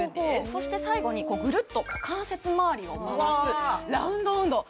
そして最後にぐるっと股関節まわりを回すラウンド運動